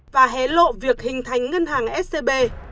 và hé lộ việc hình thành ngân hàng scb